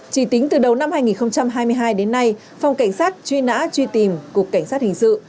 chỉ tính từ đầu năm hai nghìn hai mươi hai đến nay phòng cảnh sát truy nã truy tìm cục cảnh sát hình sự